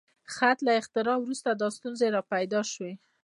د خط له اختراع وروسته دا ستونزې راپیدا شوې.